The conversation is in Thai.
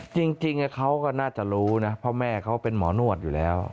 จริงเขาก็น่าจะรู้นะเพราะแม่เขาเป็นหมอนวดอยู่แล้ว